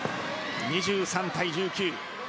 ２３対１９。